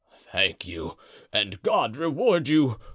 "Thank you, and God reward you!